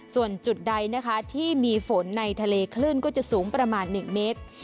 ส่วนจุดใดนะคะที่มีฝนในทะเลคลื่นก็จะสูงประมาณ๑เมตร